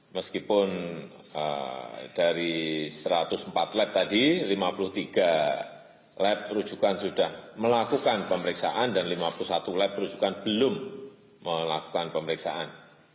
meskipun dari satu ratus empat lab tadi lima puluh tiga lab rujukan sudah melakukan pemeriksaan dan lima puluh satu lab rujukan belum melakukan pemeriksaan